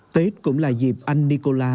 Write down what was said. tết cũng là dịp anh nicola